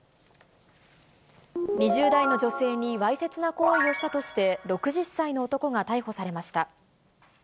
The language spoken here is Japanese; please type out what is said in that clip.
２０代の女性にわいせつな行為をしたとして、６０歳の男が逮捕されました。